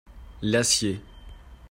L'acier.